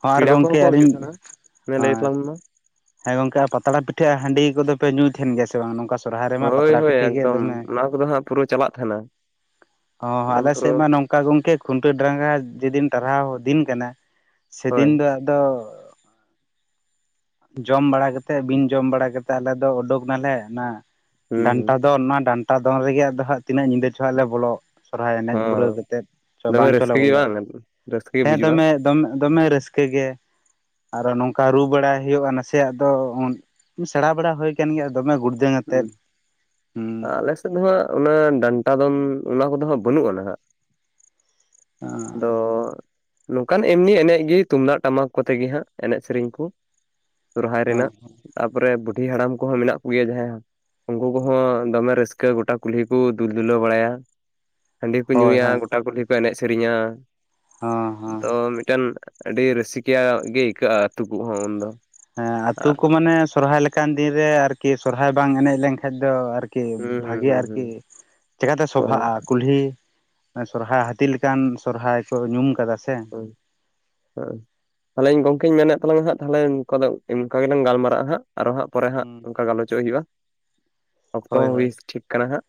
ᱦᱚᱸ ᱟᱨ ᱯᱮᱲᱟ ᱠᱚᱦᱚᱸ ᱜᱚᱢᱠᱮ ᱠᱚ ᱦᱤᱡᱩᱜ ᱟᱹᱞᱤᱧ ᱛᱟᱦᱮᱱᱟ ᱚᱱᱮ ᱞᱟᱹᱭ ᱦᱮᱸ᱾ ᱛᱟᱞᱟᱝ ᱢᱮ ᱢᱟ᱾ ᱦᱮᱸ ᱜᱚᱝᱠᱮ ᱟᱨ ᱯᱟᱛᱲᱟ ᱯᱤᱴᱷᱟᱹ ᱟᱨ ᱦᱟᱺᱰᱤ ᱠᱚᱫᱚᱯᱮ ᱧᱩᱭ ᱛᱟᱦᱮᱱ ᱜᱮᱭᱟ ᱥᱮ ᱵᱟᱝ ᱱᱚᱝᱠᱟ ᱥᱚᱦᱨᱟᱭ ᱨᱮᱢᱟ ᱦᱳᱭ ᱯᱟᱛᱲᱟ ᱦᱳᱭ ᱯᱤᱴᱷᱟᱹ ᱜᱮ ᱮᱠᱫᱚᱢ ᱫᱚᱢᱮ ᱚᱱᱟ ᱠᱚᱫᱚ ᱦᱟᱸᱜ ᱯᱩᱨᱟᱹ ᱪᱟᱞᱟᱜ ᱛᱟᱦᱮᱱᱟ ᱚ ᱦᱚᱸ ᱮᱠᱫᱚᱢ ᱯᱩᱨᱟᱹ ᱟᱞᱮᱥᱮᱫ ᱢᱟ ᱱᱚᱝ ᱠᱟ ᱜᱚᱝᱠᱮ ᱠᱷᱩᱱᱴᱟᱹᱣ ᱰᱟᱸᱝᱨᱜᱟᱸ ᱡᱮᱫᱤᱱ ᱴᱟᱨᱦᱟᱣ ᱫᱤᱱ ᱠᱟᱱᱟ ᱥᱮᱫᱤᱱ ᱦᱳᱭ ᱫᱚ ᱟᱫᱚ ᱡᱚᱢ ᱵᱟᱲᱟ ᱠᱟᱛᱮᱫ ᱵᱤᱱ ᱡᱚᱢ ᱵᱟᱲᱟ ᱠᱟᱛᱮᱫ ᱟᱞᱮ ᱫᱚ ᱩᱰᱩᱠ ᱱᱟᱞᱮ ᱚᱱᱟ ᱦᱩᱸ ᱦᱩᱸ ᱰᱟᱱᱴᱟ ᱫᱚᱱ ᱱᱚᱣᱟ ᱰᱟᱱᱴᱟ ᱫᱚᱱ ᱨᱮᱜᱤ ᱟᱫᱚ ᱦᱟᱸᱜ ᱛᱤᱱᱟᱹᱜ ᱧᱤᱫᱟᱹ ᱪᱚ ᱦᱟᱸᱜ ᱞᱮ ᱵᱚᱞᱚᱜ᱾ ᱥᱚᱨᱦᱟᱭ ᱮᱱᱮᱡ ᱯᱩᱨᱟᱹᱣ ᱦᱚᱸ ᱠᱟᱛᱮᱫ ᱪᱚ ᱫᱚᱢᱮ ᱵᱟᱝ ᱪᱚᱞᱮ ᱨᱟᱹᱥᱠᱟᱹ ᱜᱮ ᱵᱚᱞᱚᱜ ᱵᱟᱝ ᱨᱟᱹᱥᱠᱟᱹ ᱜᱮ ᱦᱮᱸ ᱵᱩᱡᱩᱜᱼᱟ ᱫᱚᱢᱮ ᱫᱚᱢᱮ ᱫᱚᱢᱮ ᱨᱟᱹᱥ ᱠᱟᱹ ᱜᱮ᱾ ᱟᱨ ᱱᱚᱝᱠᱟ ᱨᱩ ᱵᱟᱲᱟᱭ ᱦᱩᱭᱩᱜᱼᱟ ᱱᱟᱥᱮᱭᱟᱜ ᱫᱚ ᱥᱮᱬᱟ ᱵᱟᱲᱟ ᱦᱩᱭ ᱠᱟᱱ ᱜᱮᱭᱟ ᱫᱚᱢᱮ ᱜᱩᱲ ᱟᱞᱮ ᱥᱮᱫ ᱫᱚ ᱦᱟᱸᱜ ᱚᱱᱟ ᱰᱟᱱᱴᱟ ᱫᱚᱱ ᱚᱱᱟ ᱠᱚᱫᱚ ᱦᱟᱸᱜ ᱵᱟᱹᱱᱩᱜ-ᱟ ᱱᱟᱦᱟᱜ᱾ [unintelligible] ᱱᱚᱝᱠᱟᱱ ᱮᱢᱱᱤ ᱮᱱᱮᱡ ᱜᱮ ᱛᱩᱢᱫᱟᱜ ᱴᱟᱢᱟᱠ ᱠᱚᱛᱮ ᱜᱮ ᱦᱟᱸᱜ ᱮᱱᱮᱡ ᱥᱮᱨᱮᱧ ᱠᱩ᱾ ᱥᱚᱨᱦᱟᱭ ᱨᱮᱱᱟᱜ᱾ ᱛᱟᱯᱚᱨᱮ ᱵᱩᱰᱷᱤ ᱦᱟᱲᱟᱢ ᱠᱚᱦᱚᱸ ᱢᱮᱱᱟᱜ ᱠᱚ ᱜᱮᱭᱟ ᱡᱟᱦᱟᱸᱭ ᱩᱱᱠᱩ ᱠᱚᱦᱚᱸ ᱫᱚᱢᱮ ᱨᱟᱹᱥᱠᱟᱹ ᱜᱚᱴᱟ ᱠᱩᱞᱦᱤ ᱠᱩ ᱫᱩᱞ-ᱫᱩᱞᱟᱹᱣ ᱵᱟᱲᱟᱭᱟ᱾ ᱦᱟᱺᱰᱤ ᱦᱚᱸᱠᱚ ᱦᱳᱭ ᱧᱩᱭᱟ, ᱦᱳᱭ ᱜᱚᱴᱟ ᱠᱩᱞᱦᱤ ᱠᱩ ᱮᱱᱮᱡ ᱥᱮᱨᱮᱧᱟ ᱦᱚᱸ ᱦᱚᱸ ᱫᱚ ᱢᱤᱫᱴᱮᱱ ᱟᱹᱰᱤ ᱨᱟᱹᱥᱤᱠᱟ ᱜᱮ ᱟᱹᱭᱠᱟᱹᱜ-ᱟ ᱟᱹᱛᱩ ᱠᱚᱦᱚᱸ ᱩᱱᱫᱚ᱾ ᱦᱮᱸ ᱟᱛᱩ ᱟᱨ ᱠᱚ ᱢᱟᱱᱮ ᱥᱚᱨᱦᱟᱭ ᱞᱮᱠᱟᱱ ᱫᱤᱱ ᱨᱮ ᱟᱨᱠᱤ ᱥᱚᱨᱦᱟᱭ ᱵᱟᱝ ᱮᱱᱮᱡ ᱞᱮᱱᱠᱷᱟᱡ ᱫᱚ ᱟᱨᱠ ᱠᱤ ᱦᱩᱸ ᱦᱩᱸ ᱵᱷᱟᱜᱮ ᱦᱩᱸ ᱟᱨᱠᱤ ᱦᱩᱸ ᱪᱮᱠᱟᱛᱮ ᱦᱳᱭ ᱥᱚᱵᱷᱟᱜᱼᱟ᱾ ᱠᱩᱞᱦᱤ ᱥᱚᱨᱦᱟ ᱦᱟᱹᱛᱤ ᱞᱮᱠᱟᱱ ᱥᱚᱨᱦᱟᱭ ᱠᱚ ᱧᱩᱢ ᱠᱟᱫᱟ ᱥᱮ᱾ [unintelligible] ᱛᱟᱞᱦᱮᱧ ᱜᱚᱝᱠᱮᱧ ᱢᱮᱱᱮᱫ ᱛᱟᱞᱟᱝᱟ ᱦᱟᱸᱜ ᱱᱚᱝᱠᱟ ᱫᱚ ᱮᱱᱠᱟ ᱜᱮᱞᱟᱝ ᱜᱟᱞᱢᱟᱨᱟᱜ-ᱟ ᱦᱟᱸᱜ ᱟᱨᱚ ᱦᱟᱸᱜ ᱯᱚᱨᱮ ᱦᱟᱸᱜ ᱦᱩᱸ ᱚᱝᱠᱟ ᱜᱟᱞᱚᱪᱚᱜ ᱦᱩᱭᱩᱜᱼᱟ᱾ ᱚᱠᱛᱚ ᱦᱳᱭ ᱦᱚᱸ ᱦᱳᱭ ᱦᱩᱭ ᱴᱷᱤᱠ ᱠᱟᱱᱟ ᱦᱟᱸᱜ᱾